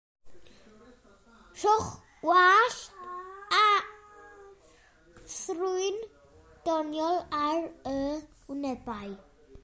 Rhowch wallt a thrwyn doniol ar y wynebau.